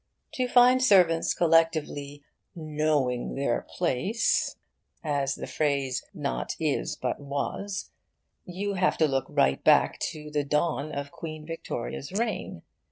To find servants collectively 'knowing their place,' as the phrase (not is, but) was, you have to look right back to the dawn of Queen Victoria's reign.